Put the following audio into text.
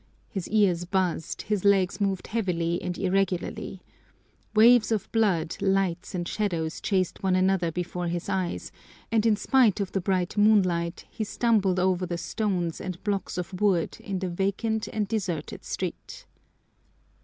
His ears buzzed, his legs moved heavily and irregularly. Waves of blood, lights and shadows chased one another before his eyes, and in spite of the bright moonlight he stumbled over the stones and blocks of wood in the vacant and deserted street.